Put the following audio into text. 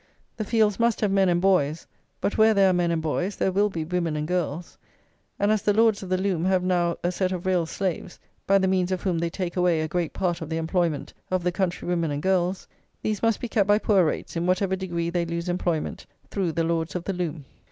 The fields must have men and boys; but where there are men and boys there will be women and girls; and as the Lords of the Loom have now a set of real slaves, by the means of whom they take away a great part of the employment of the countrywomen and girls, these must be kept by poor rates in whatever degree they lose employment through the Lords of the Loom.